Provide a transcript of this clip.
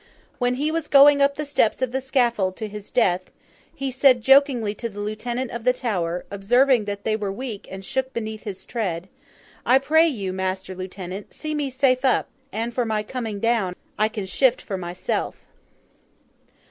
When he was going up the steps of the scaffold to his death, he said jokingly to the Lieutenant of the Tower, observing that they were weak and shook beneath his tread, 'I pray you, master Lieutenant, see me safe up; and, for my coming down, I can shift for myself.